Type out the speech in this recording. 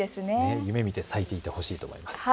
夢みて咲いていてほしいと思います。